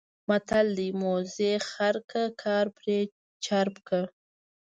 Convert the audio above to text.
متل دی: موزي خر کړه کار پرې چرب کړه.